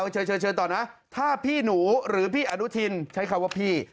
เชิญต่อนะถ้าพี่หนูหรือพี่อนุทินใช้คำว่าพี่